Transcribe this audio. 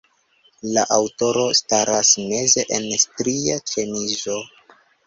La aŭtoro staras meze, en stria ĉemizo.